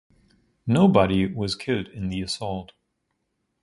Nobody was killed in the assault.